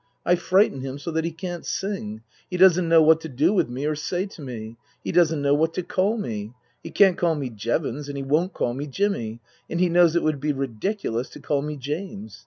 I frighten him so that he can't sing. He doesn't know what to do with me, or say to me. He doesn't know what to call me. He can't call me Jevons, and he won't call me Jimmy, and he knows it would be ridiculous to call me James.